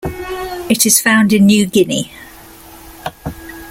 It is found in New Guinea.